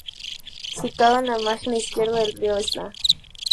Situado en la margen izquierda del Río Esla.